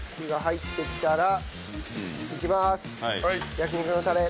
焼肉のタレ。